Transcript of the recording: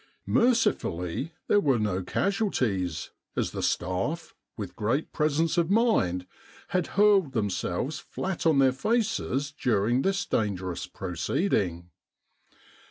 Mercifully there were no casualties, as the staff, with great presence of mind, had hurled themselves flat on their faces during this dangerous proceeding.